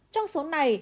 trong số này